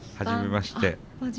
初めまして。